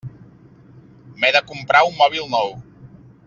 M'he de comprar un mòbil nou.